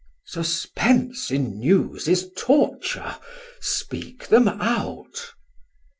Man: Suspense in news is torture, speak them out.